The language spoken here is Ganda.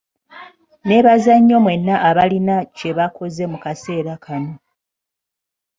Nneebaza nnyo mwenna abalina kye bakoze mu kaseera kano.